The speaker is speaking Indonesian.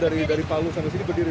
jadi dari palu sampai sini berdiri